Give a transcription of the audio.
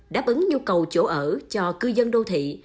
đáp ứng nhu cầu chỗ ở cho cư dân đô thị